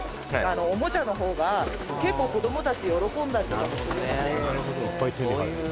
おもちゃの方が結構、子供たち喜んだりとかもするので」